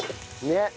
ねっ。